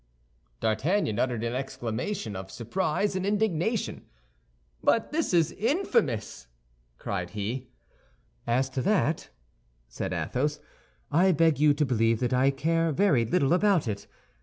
D'Artagnan uttered an exclamation of surprise and indignation. "But this is infamous!" cried he. "As to that," said Athos, "I beg you to believe that I care very little about it.